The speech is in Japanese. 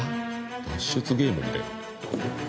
脱出ゲームみたい。